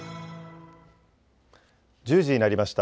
１０時になりました。